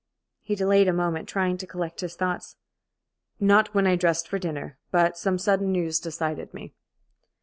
He delayed a moment, trying to collect his thoughts. "Not when I dressed for dinner, but some sudden news decided me."